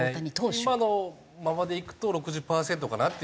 今のままでいくと６０パーセントかなっていう感じですよね。